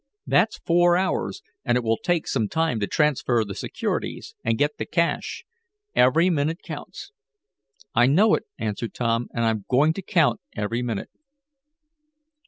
That's four hours, and it will take some time to transfer the securities, and get the cash. Every minute counts." "I know it," answered Tom, "and I'm going to count every minute."